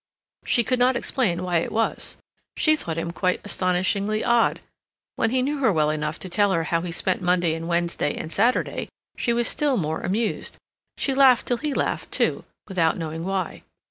She could not explain why it was. She thought him quite astonishingly odd. When he knew her well enough to tell her how he spent Monday and Wednesday and Saturday, she was still more amused; she laughed till he laughed, too, without knowing why.